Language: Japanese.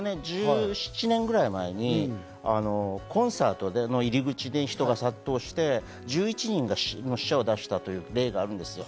１７年ぐらい前にコンサートの入口に人が殺到して１１人が死者を出したという例があります。